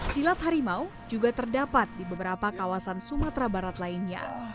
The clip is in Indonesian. silat harimau juga terdapat di beberapa kawasan sumatera barat lainnya